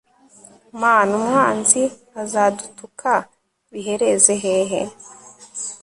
mana, umwanzi azadutuka bihereze hehe